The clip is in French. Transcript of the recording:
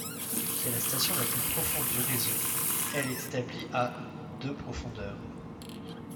C'est la station la plus profonde du réseau, elle est établie à de profondeur.